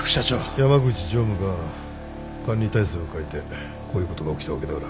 山口常務が管理体制を変えてこういうことが起きたわけだから。